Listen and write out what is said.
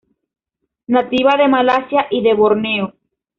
Nativa de Malasia y de Borneo.